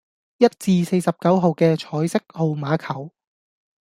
一至四十九號既彩色號碼球